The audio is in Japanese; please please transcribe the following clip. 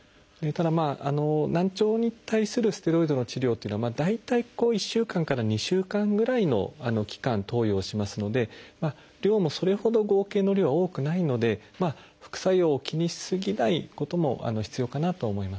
ただ難聴に対するステロイドの治療っていうのは大体１週間から２週間ぐらいの期間投与をしますので量もそれほど合計の量は多くないので副作用を気にし過ぎないことも必要かなと思います。